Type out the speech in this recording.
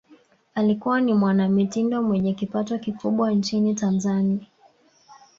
alikuwa ni mwanamitindo mwenye kipato kikubwa nchini tanzani